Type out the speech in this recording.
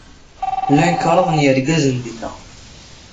Llan kraḍ n yergazen din.